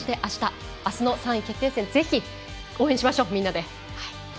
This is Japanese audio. ３位決定戦応援しましょう、みんなで。